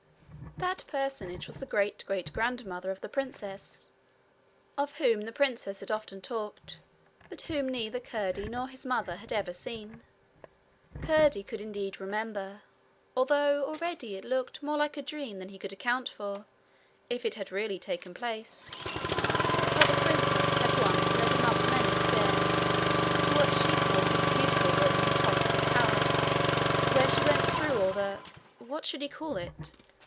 That personage was the great great grandmother of the princess, of whom the princess had often talked, but whom neither Curdie nor his mother had ever seen. Curdie could indeed remember, although already it looked more like a dream than he could account for if it had really taken place, how the princess had once led him up many stairs to what she called a beautiful room in the top of the tower, where she went through all the what should he call it?